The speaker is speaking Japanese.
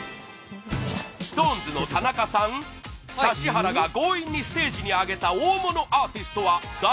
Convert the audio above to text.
ＳｉｘＴＯＮＥＳの田中さん指原が強引にステージに上げた大物アーティストは誰？